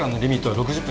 ６０分。